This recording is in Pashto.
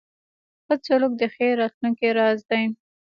ښه سلوک د ښې راتلونکې راز دی.